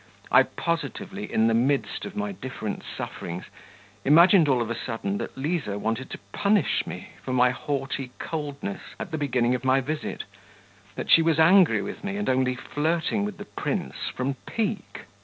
... I, positively, in the midst of my different sufferings, imagined all of a sudden that Liza wanted to punish me for my haughty coldness at the beginning of my visit, that she was angry with me and only flirting with the prince from pique....